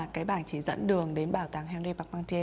cái bảng chỉ dẫn đường đến bảo tàng henry pacmentier